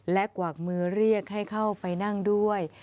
และกวากมือเรียกให้เข้าไปนั่งด้วย